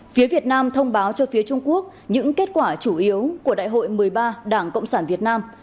phía việt nam thông báo cho phía trung quốc những kết quả chủ yếu của đại hội một mươi ba đảng cộng sản việt nam